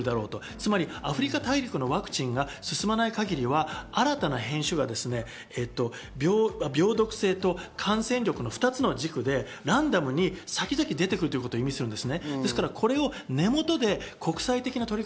つまりアフリカ大陸のワクチンが進まない限りは新たな変種が病毒性と感染力の２つの軸でランダムに先々でてくるということを意味します。